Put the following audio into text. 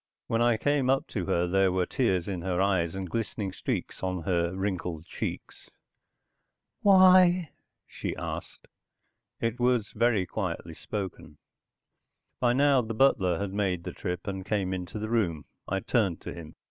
When I came up to her there were tears in her eyes and glistening streaks on her wrinkled cheeks. "Why?" she asked. It was very quietly spoken. By now the butler had made the trip, and came into the room. I turned to him.